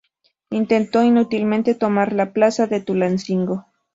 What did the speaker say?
Intentó inútilmente tomar la plaza de Tulancingo.